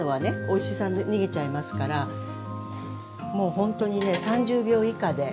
おいしさ逃げちゃいますからもうほんとにね３０秒以下で。